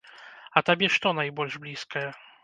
А табе што найбольш блізкае?